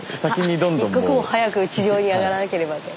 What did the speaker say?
一刻も早く地上にあがらなければと。